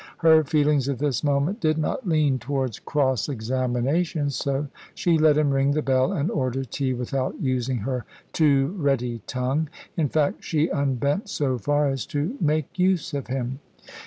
Her feelings at this moment did not lean towards cross examination, so she let him ring the bell and order tea, without using her too ready tongue. In fact, she unbent so far as to make use of him.